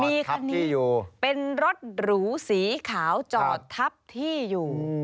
มีคันนี้เป็นรถหรูสีขาวจอดทับที่อยู่